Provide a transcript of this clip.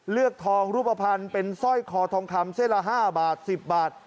ทองรูปภัณฑ์เป็นสร้อยคอทองคำเส้นละ๕บาท๑๐บาท